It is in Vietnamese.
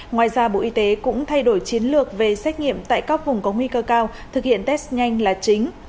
ngoài ra bộ y tế cũng thay đổi chiến lược về xét nghiệm tại các vùng có nguy cơ cao thực hiện test nhanh là chính